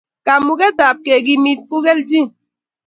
Kamuket ab kekimit kukelchin